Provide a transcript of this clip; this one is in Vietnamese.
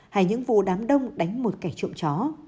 hay những vụ đám đông đánh một kẻ trộm chó